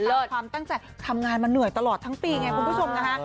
แล้วความตั้งใจทำงานมาเหนื่อยตลอดทั้งปีไงคุณผู้ชมนะคะ